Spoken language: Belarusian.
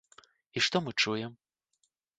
І што мы чуем?